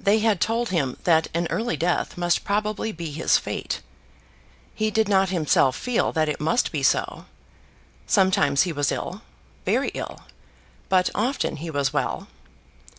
They had told him that an early death must probably be his fate. He did not himself feel that it must be so. Sometimes he was ill, very ill; but often he was well.